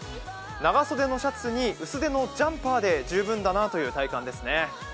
長袖のシャツに薄手のジャンパーで十分だなという体感ですね。